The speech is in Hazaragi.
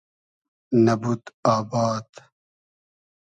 نئبود آباد